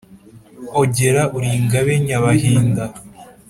ogera uri ingabe nyabahinda!